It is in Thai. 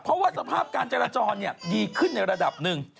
เพราะว่าสภาพการจราจรดีขึ้นในระดับหนึ่ง